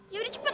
ya udah cepet